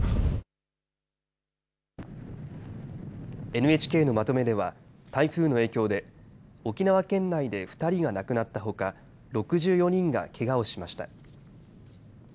ＮＨＫのまとめでは台風の影響で沖縄県内で２人が亡くなったほか６４人が、けがをしました。